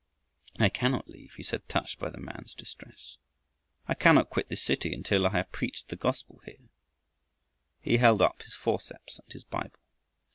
"I cannot leave," he said, touched by the man's distress. "I cannot quit this city until I have preached the gospel here." He held up his forceps and his Bible.